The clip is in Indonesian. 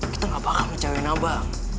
kita gak bakal mencabuin abang